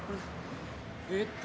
えーっと。